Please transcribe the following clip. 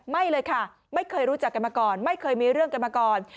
ไม่เลยค่ะไม่เคยรู้จักกันมาก่อนไม่เคยมีเรื่องกันมาก่อน